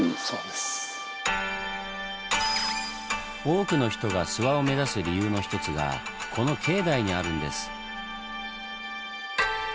多くの人が諏訪を目指す理由の一つがこの境内にあるんです。